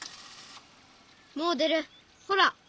もおでるほら！